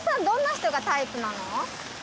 どんな人がタイプなの？